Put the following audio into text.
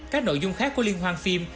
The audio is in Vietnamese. các nội dung khác của liên hoàng phim